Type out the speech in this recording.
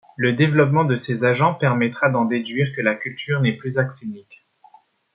Le développement de ces agents permettra d'en déduire que la culture n'est plus axénique.